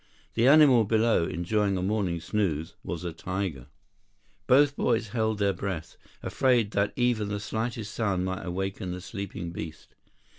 The animal below, enjoying a morning snooze, was a tiger. 76 Both boys held their breath, afraid that even the slightest sound might awaken the sleeping beast.